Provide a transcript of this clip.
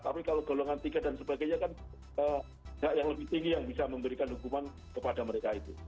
tapi kalau golongan tiga dan sebagainya kan hak yang lebih tinggi yang bisa memberikan hukuman kepada mereka itu